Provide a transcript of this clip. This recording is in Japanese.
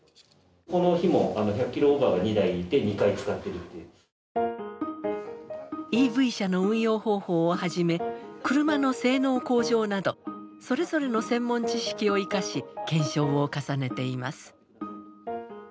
この日もＥＶ車の運用方法をはじめ車の性能向上などそれぞれの専門知識を生かし検証を重ねています。